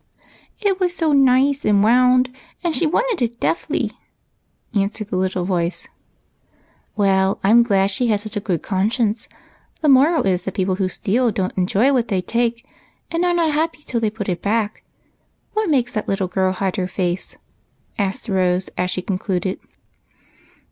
" It was so nice and wound, and she wanted it deffly," answered the little voice. "Well, I'm glad she had such a good conscience. 176 EIGHT COUSINS. The moral is that people who steal don't enjoy what they take, and are not happy till they put it back. What makes that little girl hide her face?" asked Rose, as she concluded.